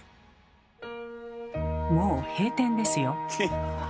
もう閉店ですよ。